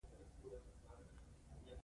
قوماندانان هم ووژل شول.